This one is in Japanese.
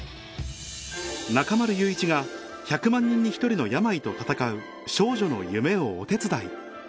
中丸雄一が１００万人に１人の病と闘う少女の夢をお手伝い